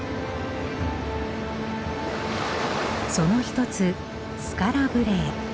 その一つスカラ・ブレエ。